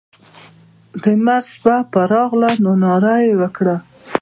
د مرګ شپه پر راغله نو ناره یې وکړه.